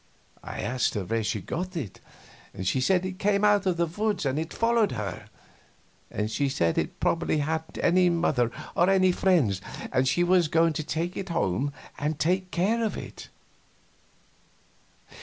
I asked her where she got it, and she said it came out of the woods and followed her; and she said it probably hadn't any mother or any friends and she was going to take it home and take care of it.